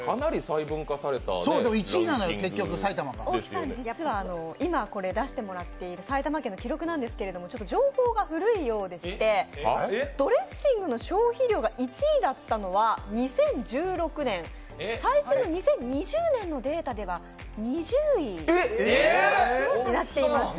大木さん、実は今出してもらっている埼玉県の記録なんですけど情報が古いようでしてドレッシングの消費量が１位だったのは２０１６年、最新の２０２０年のデータでは２０位になっています。